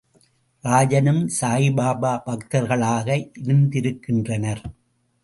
ராஜனும் சாயிபாபா பக்தர்களாக இருந்திருக்கின்றனர்.